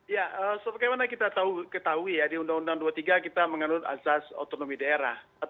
ya seperti mana kita ketahui ya di undang undang dua puluh tiga kita mengandung asas otonomi daerah